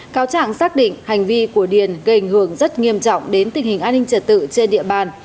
cáo trạng xác định hành vi của điền gây ảnh hưởng rất nghiêm trọng đến tình hình an ninh trật tự trên địa bàn